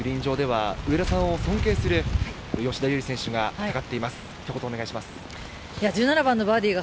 今１８番のグリーン上では上田さんを尊敬する吉田優利選手が戦っています、ひと言お願いします。